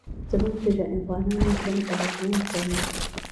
ژمی د افغانانو ژوند اغېزمن کوي.